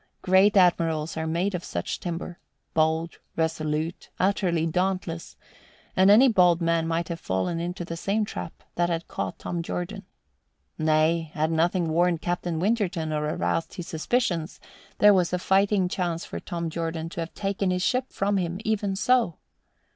Great admirals are made of such timber bold, resolute, utterly dauntless and any bold man might have fallen into the same trap that had caught Tom Jordan. (Nay, had nothing warned Captain Winterton or aroused his suspicions, there was a fighting chance for Tom Jordan to have taken his ship from him even so.)